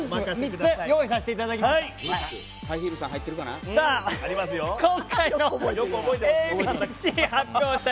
３つ用意させていただきました。